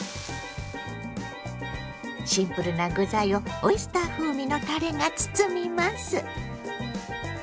シンプルな具材をオイスター風味のたれが包みます。